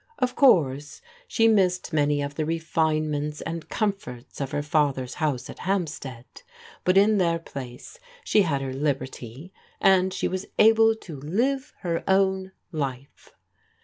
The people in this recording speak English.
Of course, she missed many of the refinements and comforts of her father's house at Hampstead, but in their place she had her liberty and she was able to live her own life.